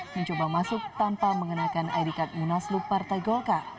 mencoba masuk tanpa mengenakan id card munaslu partai golkar